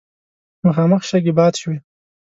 مخامخ شګې باد شوې.